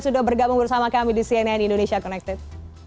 sudah bergabung bersama kami di cnn indonesia connected